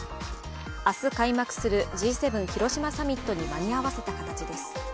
明日開幕するＧ７広島サミットに間に合わせた形です。